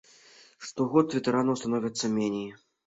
Штогод ветэранаў становіцца меней.